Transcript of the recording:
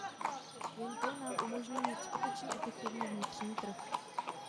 Jen to nám umožní mít skutečně efektivní vnitřní trh.